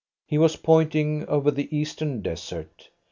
He was pointing over the eastern desert.